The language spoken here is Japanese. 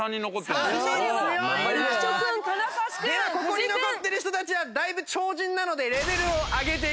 ではここに残っている人たちはだいぶ超人なのでレベルを上げていきたいと思います。